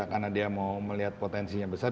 karena dia mau melihat potensinya besar